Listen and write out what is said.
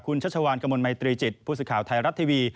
คุณชัชวานกำลังไม่ตรีจิตผู้สึกข่าวไทยรับทีวี